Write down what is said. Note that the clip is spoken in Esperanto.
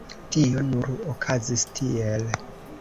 Tio nur okazis tiel.